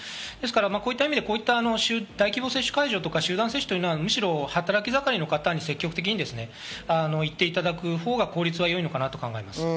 こういった意味で大規模接種会場とか集団接種というのは、むしろ働き盛りの方に積極的に行っていただくほうが効率は良いのかなと考えます。